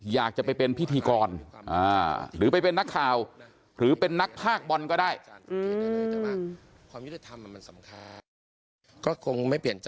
อยากจะไปเป็นพิธีกรหรือไปเป็นนักข่าวหรือเป็นนักภาคบอลก็ได้